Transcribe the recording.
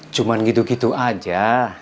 cuman gitu gitu aja